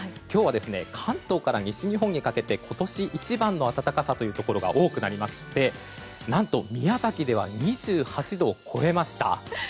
今日は関東から西日本にかけて今年一番の暖かさというところが多くなりまして何と宮崎では２８度を超えました。